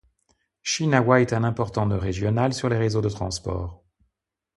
Ścinawa est un important nœud régional sur les réseaux de transport.